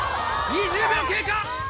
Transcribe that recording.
２０秒経過！